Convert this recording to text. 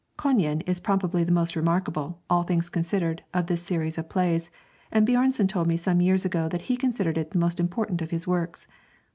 'Kongen' is probably the most remarkable, all things considered, of this series of plays, and Björnson told me some years ago that he considered it the most important of his works.